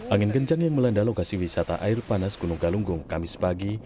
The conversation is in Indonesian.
angin kencang yang melanda lokasi wisata air panas gunung galunggung kamis pagi